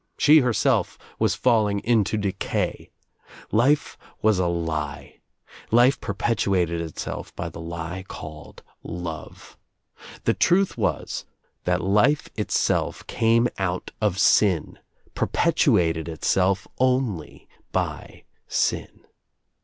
She her self was falling into decay. Life was a lie. Life per petuated itself by the lie called love. The truth was that life itself came out of sin, perpetuated itself only by sin.